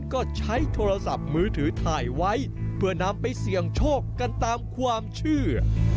ก็ใช้โทรศัพท์มือถือถ่ายไว้เพื่อนำไปเสี่ยงโชคกันตามความเชื่อ